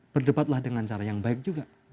berdebatlah dengan cara yang baik juga